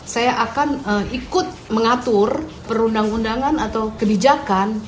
saya akan ikut mengatur perundang undangan atau kebijakan